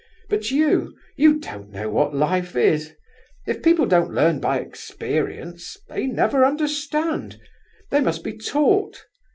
But you you don't know what life is! If people don't learn by experience, they never understand. They must be taught.